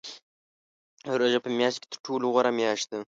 روژه په میاشتو کې تر ټولو غوره میاشت ده .